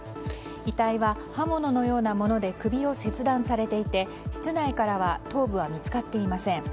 遺体は刃物のようなもので首を切断されていて室内からは頭部は見つかっていません。